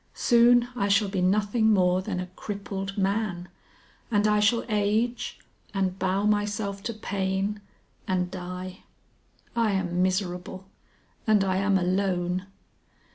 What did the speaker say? Soon I shall be nothing more than a crippled man, and I shall age, and bow myself to pain, and die.... I am miserable. And I am alone."